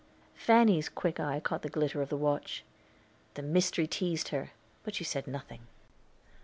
Fanny's quick eye caught the glitter of the watch. The mystery teased her, but she said nothing.